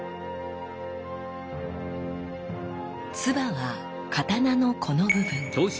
鐔は刀のこの部分。